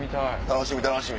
楽しみ楽しみ！